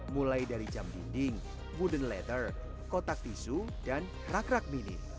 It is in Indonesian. mulai dari jam dinding moodden letter kotak tisu dan rak rak mini